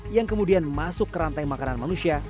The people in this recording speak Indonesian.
yang kemudian masuk ke rantai makanan manusia